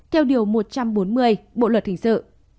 theo điều một trăm bốn mươi bộ luật hình sự